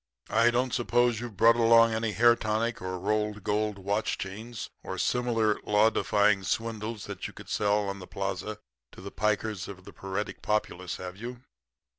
I don't suppose you've brought along any hair tonic or rolled gold watch chains, or similar law defying swindles that you could sell on the plaza to the pikers of the paretic populace, have you?'